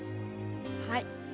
はい。